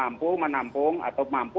menampung atau mampu